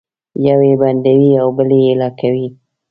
یو یې بندوي او بل یې ایله کوي